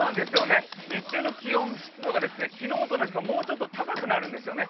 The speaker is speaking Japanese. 日中の気温・湿度が昨日と同じか、もうちょっと高くなるんですよね。